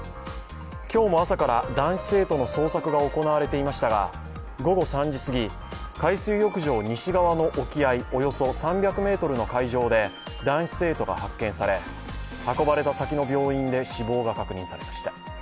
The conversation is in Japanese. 今日も朝から男子生徒の捜索が行われていましたが、午後３時すぎ海水浴場西側の沖合およそ３００ｍの海上で男子生徒が発見され、運ばれた先の病院で死亡が確認されました。